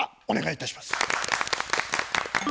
お願いいたします。